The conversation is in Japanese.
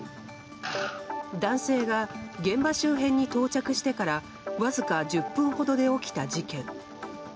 男性が現場周辺に到着してからわずか１０分ほどで起きた事件。